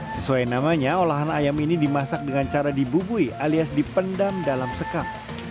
sesuai namanya olahan ayam ini dimasak dengan cara dibubui alias dipendam dalam sekam